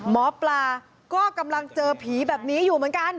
หมอปลาก็กำลังเจอผีแบบนี้อยู่เหมือนกัน